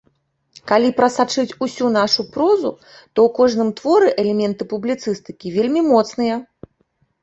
Калі прасачыць усю нашу прозу, то ў кожным творы элементы публіцыстыкі вельмі моцныя.